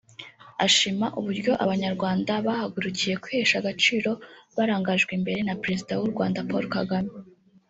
ashima uburyo Abanyarwanda bahagurukiye kwihesha agaciro barangajwe imbere na Perezida w’u Rwanda Paul Kagame